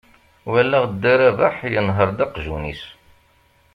Walaɣ dda Rabeḥ yenher-d aqjun-is.